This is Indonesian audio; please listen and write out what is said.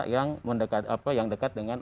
yang mendekat apa yang dekat dengan